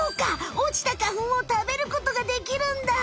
おちた花ふんを食べることができるんだ！